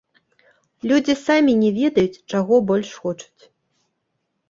Людзі самі не ведаюць, чаго больш хочуць!